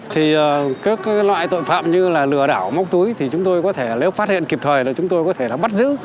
thì các loại tội phạm như lừa đảo móc túi nếu phát hiện kịp thời chúng tôi có thể bắt giữ